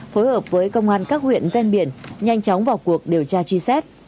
phối hợp với công an các huyện ven biển nhanh chóng vào cuộc điều tra truy xét